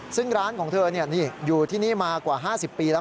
ซึ่งร้านของเธออยู่ที่นี่มากว่า๕๐ปีแล้ว